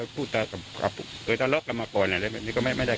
นี่คุณพัชราวรินผู้สื่อข่าวของเราลงพื้นที่ไป